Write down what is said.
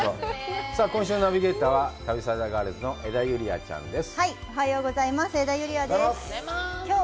今週のナビゲーターは旅サラダガールズの江田友莉亜ちゃんです。